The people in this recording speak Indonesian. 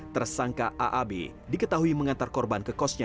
tersangka aab diketahui mengantar korban ke kosnya